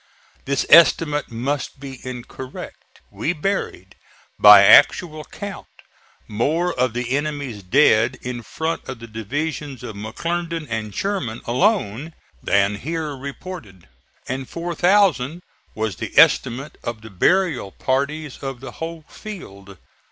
This estimate must be incorrect. We buried, by actual count, more of the enemy's dead in front of the divisions of McClernand and Sherman alone than here reported, and 4,000 was the estimate of the burial parties of the whole field.